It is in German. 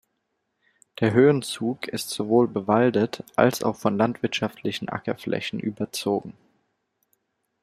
Der Höhenzug ist sowohl bewaldet als auch von landwirtschaftlichen Ackerflächen überzogen.